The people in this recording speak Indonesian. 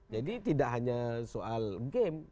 jadi tidak hanya soal game